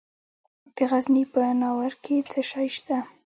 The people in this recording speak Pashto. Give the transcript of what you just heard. د غزني په ناوور کې څه شی شته؟